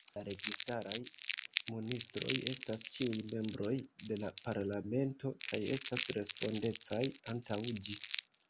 La registaraj ministroj estas ĉiuj membroj de la Parlamento, kaj estas respondecaj antaŭ ĝi.